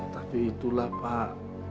tapi itulah pak